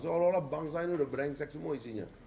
kalau kalau bangsa ini udah berengsek semua isinya